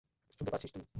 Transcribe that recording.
শুনতে পারছিস তুই?